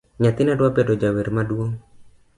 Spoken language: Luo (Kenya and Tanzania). Nyathina dwa bedo jawer maduong